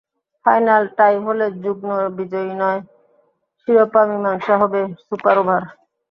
Final tie হলে যুগ্ম বিজয়ী নয়, শিরোপা মীমাংসা হবে সুপার ওভারে।